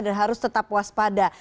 dan harus tetap waspada